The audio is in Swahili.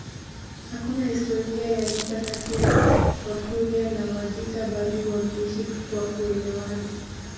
Hakuna historia ya vita kati ya Wakurya na Wajita bali wameishi kwa kuelewana